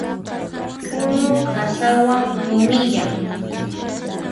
Unu qasawan rumiyan.